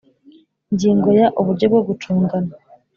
Ingingo ya uburyo bwo gucungana